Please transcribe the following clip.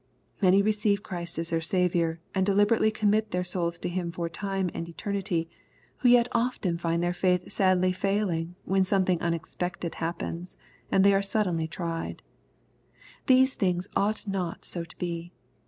Many receive Christ as their Saviour, and deliberately commit their souls to Hun for time and eternity, who yet often find their faith sadly failing when something un expected happens, and they are suddenly tried. These things ought not so to be.